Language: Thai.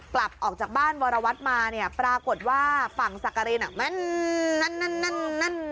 กลับออกจากบ้านวรวัตมาปรากฏว่าฝั่งสักกะรินนั่น